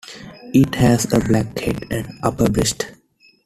It has a black head and upper breast.